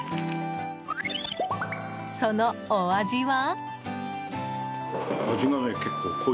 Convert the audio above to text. そのお味は。